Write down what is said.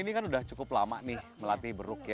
ini kan udah cukup lama nih melatih beruk ya